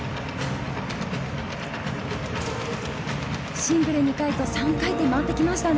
シングル２回と３回まわってきましたね。